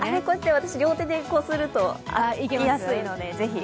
私、両手でこうすると、開けやすいので、ぜひ。